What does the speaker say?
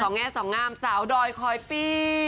สองแงสองงามสาวดอยคอยปี้